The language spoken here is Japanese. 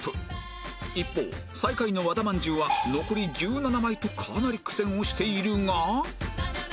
一方最下位の和田まんじゅうは残り１７枚とかなり苦戦をしているが